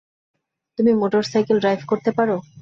তুমি motorcycle drive করতে পারো?